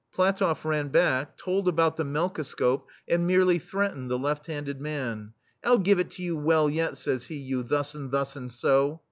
PlatofF ran back, told about the mel koscope, and merely threatened the left handed man. "I '11 give it to you well, yet, says he, "you thus and thus and so